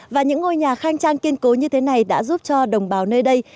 và những ngôi nhà khang trang kiên cố như thế này đã giúp cho đồng bào nơi đây